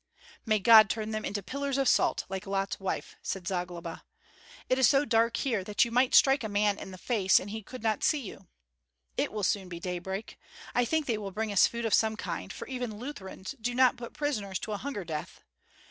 "May God turn them into pillars of salt, like Lot's wife!" said Zagloba. "It is so dark here that you might strike a man in the face, and he could not see you. It will soon be daybreak. I think they will bring us food of some kind, for even Lutherans do not put prisoners to a hunger death.